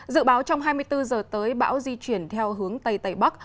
dự báo trong hai mươi bốn giờ tới bão di chuyển theo hướng tây tây bắc